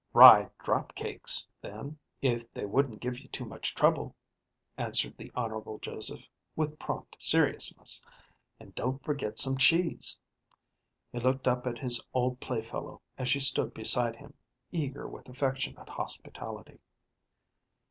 "Rye drop cakes, then, if they wouldn't give you too much trouble," answered the Honorable Joseph, with prompt seriousness, "and don't forget some cheese." He looked up at his old playfellow as she stood beside him, eager with affectionate hospitality.